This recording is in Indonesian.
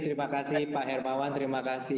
terima kasih pak hermawan terima kasih